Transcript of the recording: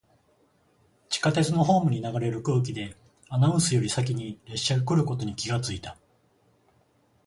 地下鉄のホームに流れる空気で、アナウンスより先に列車が来ることに気がついた。